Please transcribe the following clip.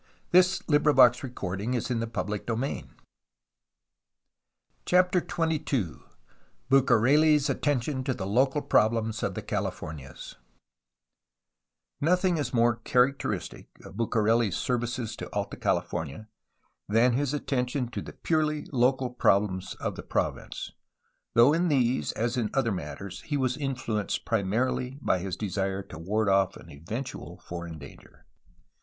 It is now time to review some of these activities. CHAPTER XXII BUCARELl's ATTENTION TO THE LOCAL PROBLEMS OF THE CALIFORNIAS Nothing is more characteristic of Bucareli^s services to Alta California than his attention to the purely local problems of the province, though in these as in other matters he was influenced primarily by his desire to ward off an eventual foreign danger.